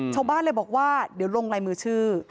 ชาวบ้านเลยบอกว่าเดี๋ยวลงลายมือชื่อ